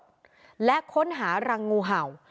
ให้หมดและค้นหารังงูเห่า